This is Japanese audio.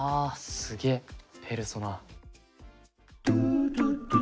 すげえペルソナ。